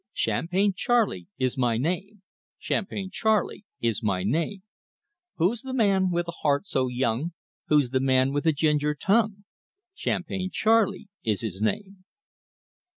Champagne Charlie is my name; Champagne Charlie is my name. Who's the man with the heart so young, Who's the man with the ginger tongue? Champagne Charlie is his name!"